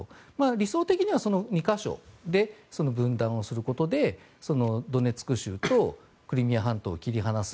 具体的にはその２か所で分断をすることでドネツク州とクリミア半島を切り離す。